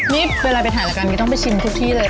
นี่เวลาไปถ่ายรายการนี้ต้องไปชิมทุกที่เลย